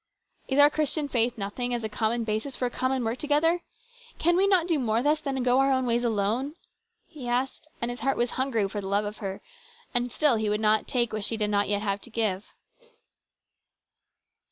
" Is our Christian faith nothing as a common basis for a common work together? Can we not do more thus than to go our own ways alone ?" he asked ; and his heart was hungry for the love of her, and still he would not take what she did not yet have to give.